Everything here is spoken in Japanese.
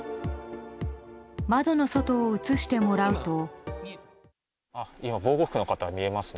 窓の外を映してもらうと。